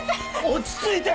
落ち着いて！